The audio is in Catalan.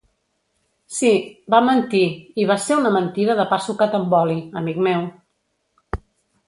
Sí, va mentir, i va ser una mentida de pa sucat amb oli, amic meu.